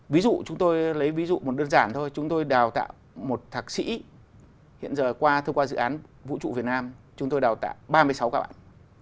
ví dụ chúng tôi lấy ví dụ một đơn giản thôi chúng tôi đào tạo một thạc sĩ hiện giờ qua thông qua dự án vũ trụ việt nam chúng tôi đào tạo ba mươi sáu các bạn